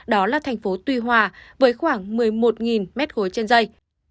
đó là thành phố tuy hòa với khoảng một mươi một m ba trên dây